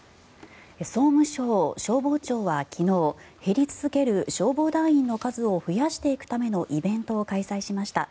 総務省消防庁は昨日減り続ける消防団員の数を増やしていくためのイベントを開催しました。